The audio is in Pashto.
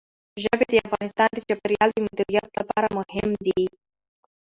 ژبې د افغانستان د چاپیریال د مدیریت لپاره مهم دي.